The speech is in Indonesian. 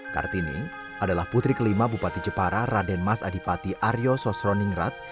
kartini adalah putri kelima bupati jepara raden mas adipati aryo sosroningrat